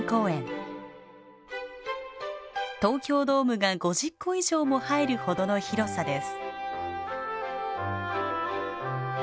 東京ドームが５０個以上も入るほどの広さです。